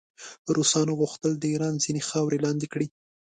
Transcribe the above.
روسانو غوښتل د ایران ځینې خاورې لاندې کړي.